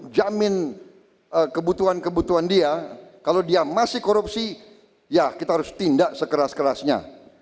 jamin kebutuhan kebutuhan dia kalau dia masih korupsi ya kita harus tindak sekeras kerasnya